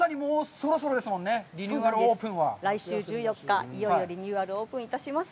来週１４日、いよいよリニューアルオープンいたします。